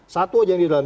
satu saja yang di dalam